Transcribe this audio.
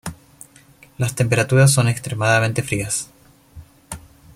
Las temperaturas son extremadamente frías.